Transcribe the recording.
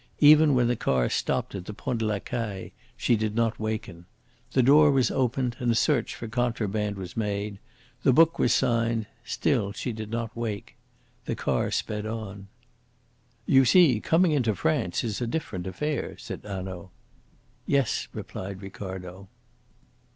Even when the car stopped at the Pont de La Caille she did not waken. The door was opened, a search for contraband was made, the book was signed, still she did not wake. The car sped on. "You see, coming into France is a different affair," said Hanaud. "Yes," replied Ricardo.